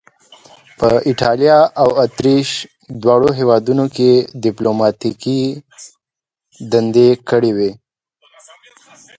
په ایټالیا او اتریش دواړو هیوادونو کې یې دیپلوماتیکې دندې کړې وې.